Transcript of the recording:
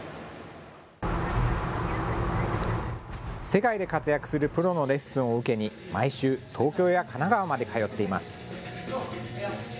世界で活躍するプロのレッスンを受けに毎週、東京や神奈川まで通っています。